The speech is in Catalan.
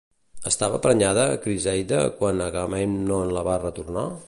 Estava prenyada Criseida quan Agamèmnon la va retornar?